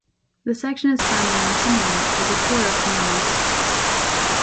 The section is found on the itinerary of the Tour of Flanders.